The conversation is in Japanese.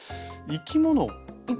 生き物？